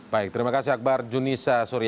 baik terima kasih akbar junisa surya